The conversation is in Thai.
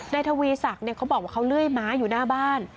ทวีศักดิ์เขาบอกว่าเขาเลื่อยม้าอยู่หน้าบ้าน